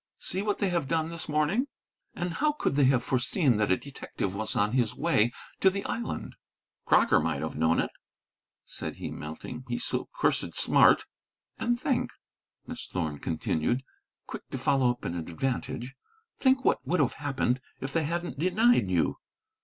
See what they have done this morning! And how could they have foreseen that a detective was on his way to the island?" "Crocker might have known it," said he, melting. "He's so cursed smart!" "And think," Miss Thorn continued, quick to follow up an advantage, "think what would have happened if they hadn't denied you.